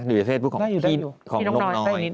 อยู่ในเพจของพี่ของนกน้อย